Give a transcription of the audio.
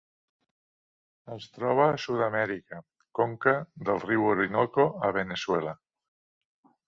Es troba a Sud-amèrica: conca del riu Orinoco a Veneçuela.